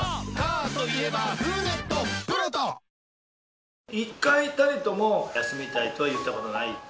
わかるぞ一回たりとも休みたいとは言った事ない。